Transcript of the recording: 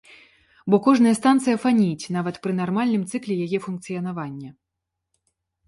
Бо кожная станцыя фаніць, нават пры нармальным цыкле яе функцыянавання.